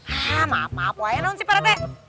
hah maaf maaf lah ya naun si pak rete